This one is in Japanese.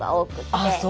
ああそう。